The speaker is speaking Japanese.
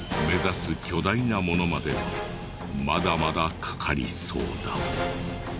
目指す巨大なものまでまだまだかかりそうだ。